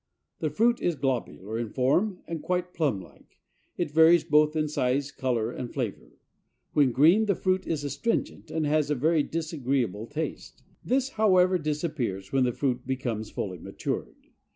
The fruit is globular in form and quite plum like. It varies both in size, color and flavor. When green the fruit is astringent and has a very disagreeable taste. This, however, disappears when the fruit becomes fully matured.